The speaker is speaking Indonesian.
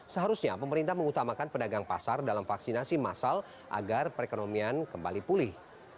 seharusnya pemerintah mengutamakan pedagang pasar dalam vaksinasi masal agar perekonomian kembali pulih